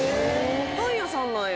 パン屋さんなんや。